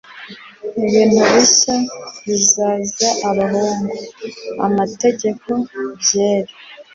ibintu bishya bizaza abahungu, amategeko, byeri